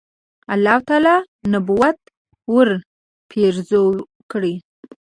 الله تعالی نبوت ورپېرزو کړ.